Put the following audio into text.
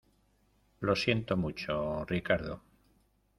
lo siento mucho, Ricardo.